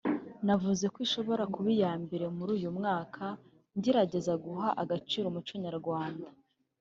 navuza ko ishobora kuba iya mbere muri uyu mwaka ngerageza guha agaciro umuco Nyarwanda